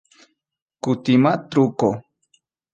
Kutima truko.